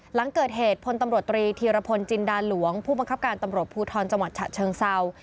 หลังเกิดเหตุพลตำรวจตรีธีรพลจินดาหลวงผู้บังคับการตำรวจภูทรจังหวัดฉะเชิงเศร้า